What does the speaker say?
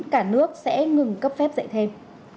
cả nước sẽ ngừng cấp phép dạy thêm